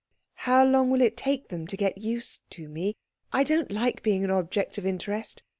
"How long will it take them to get used to me? I don't like being an object of interest.